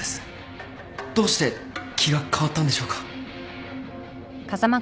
どうして気が変わったんでしょうか。